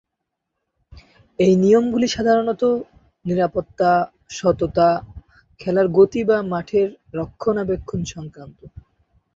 এই নিয়মগুলি সাধারণতঃ নিরাপত্তা, সততা, খেলার গতি বা মাঠের রক্ষণাবেক্ষণ সংক্রান্ত।